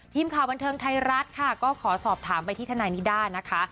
ทีมข่าวบันเทิงไทยรัฐค่ะก็ขอสอบถามไปที่ทนายนิด้านะคะ